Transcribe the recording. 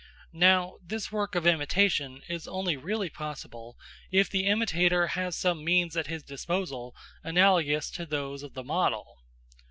Now, this work of imitation is only really possible if the imitator has some means at his disposal analogous to those of the model.